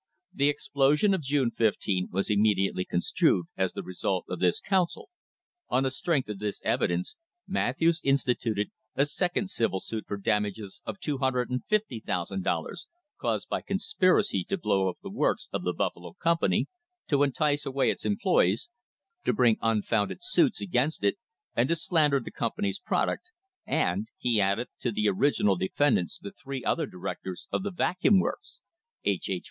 The explosion of June 15 was immediately construed as the result of this counsel. On the strength of this evidence Matthews insti tuted a second civil suit for damages of $250,000 caused by conspiracy to blow up the works of the Buffalo company, to entice away its employees, to bring unfounded suits against it, and to slander the company's product, and he added to the original defendants the three other directors of the Vacuum Works H. H.